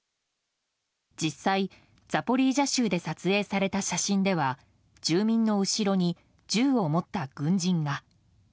実際、ザポリージャ州で撮影された写真では住民の後ろに銃を持った軍人が。